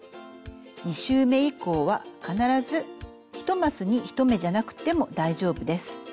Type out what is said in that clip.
２周め以降は必ず１マスに１目じゃなくても大丈夫です。